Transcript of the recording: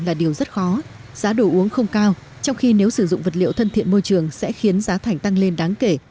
là điều rất khó giá đồ uống không cao trong khi nếu sử dụng vật liệu thân thiện môi trường sẽ khiến giá thành tăng lên đáng kể